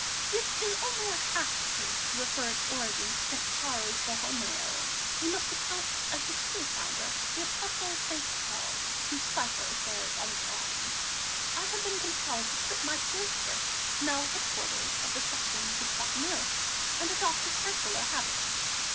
It is only a half truth to refer its origin to St. Charles Borromeo; we must account as the true founder the Apostle St. Paul, whose cipher it bears on its arms. I have been compelled to quit my cloister, now headquarters of the Section du Pont Neuf, and adopt a secular habit.